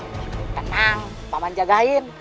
tenang paman jagain